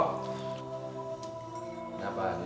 kenapa dut lo habis